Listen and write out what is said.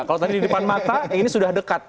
kalau tadi di depan mata ini sudah dekat